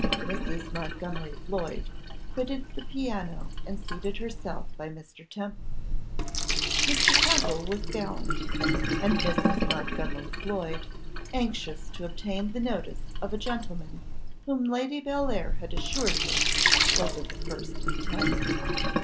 Mrs. Montgomery Floyd quitted the piano, and seated herself by Mr. Temple. Mr. Temple was gallant, and Mrs. Montgomery Floyd anxious to obtain the notice of a gentleman whom Lady Bellair had assured her was of the first ton.